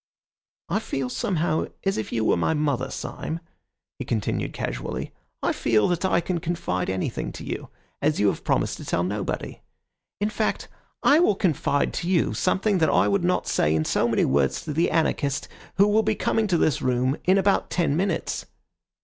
"I feel somehow as if you were my mother, Syme," he continued casually. "I feel that I can confide anything to you, as you have promised to tell nobody. In fact, I will confide to you something that I would not say in so many words to the anarchists who will be coming to the room in about ten minutes.